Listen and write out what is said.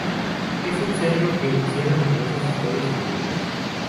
Es un cerro que encierra numerosas historias y leyendas.